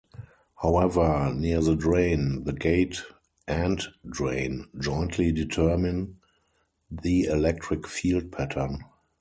However, near the drain, the gate "and drain" jointly determine the electric field pattern.